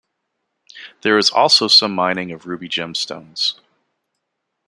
There is also some mining of ruby gem stones.